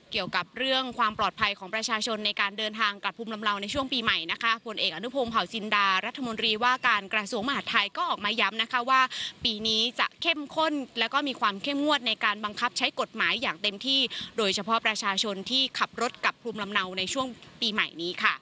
เกี่ยวกับเรื่องความปลอดภัยของประชาชนในการเดินทางกลับภูมิลำเนาในช่วงปีใหม่นะคะผลเอกอนุพงศ์เผาจินดารัฐมนตรีว่าการกระทรวงมหาดไทยก็ออกมาย้ำนะคะว่าปีนี้จะเข้มข้นแล้วก็มีความเข้มงวดในการบังคับใช้กฎหมายอย่างเต็มที่โดยเฉพาะประชาชนที่ขับรถกลับภูมิลำเนาในช่วงปีใหม่นี้ค่ะ